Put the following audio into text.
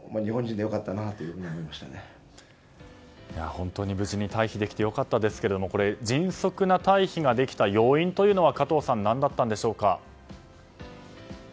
本当に無事に退避できてよかったですけどもこれ、迅速な退避ができた要因は加藤さん何だったんでしょうか？